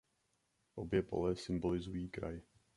Obě pole symbolizují kraj.